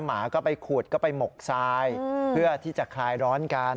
หมาก็ไปขุดก็ไปหมกทรายเพื่อที่จะคลายร้อนกัน